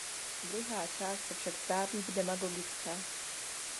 Druhá část se však zdá být demagogická.